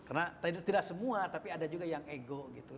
karena tidak semua tapi ada juga yang ego